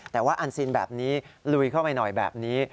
แต่ว่าอันซีนแบบนี้ลุยเข้าไปหน่อยแบบนี้